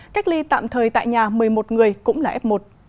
cách ly tạm thời tại nhà một mươi một người cũng là f một